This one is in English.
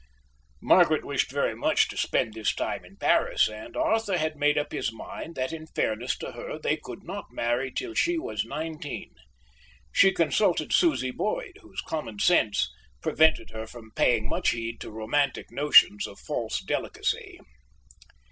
Margaret wished very much to spend this time in Paris, and Arthur had made up his mind that in fairness to her they could not marry till she was nineteen. She consulted Susie Boyd, whose common sense prevented her from paying much heed to romantic notions of false delicacy.